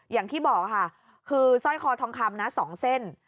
อย่างที่บอกค่ะคือสร้อยคอทองคำนะ๒เส้น